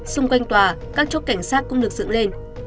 xung quanh tòa các chốt cảnh sát cũng được dựng lên